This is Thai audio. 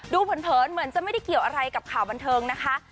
เผินเหมือนจะไม่ได้เกี่ยวอะไรกับข่าวบันเทิงนะคะ